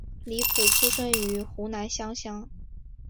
李普出生于湖南湘乡。